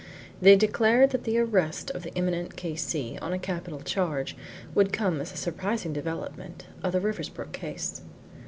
They declared that the arrest of the eminent K.C. on a capital charge would come as a surprising development of the Riversbrook case.